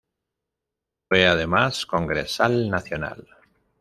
Fue además Congresal Nacional.